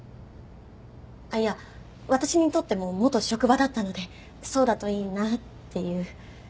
あっいや私にとっても元職場だったのでそうだといいなぁっていう。